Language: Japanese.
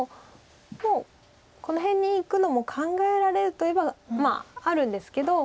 もうこの辺にいくのも考えられるといえばまああるんですけど。